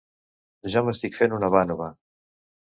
Jo m’estic fent una vànova.